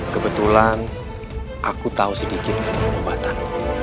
kebetulan aku tahu sedikit tentang ubatan